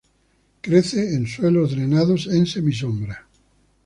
Crece en suelos drenados en semisombra.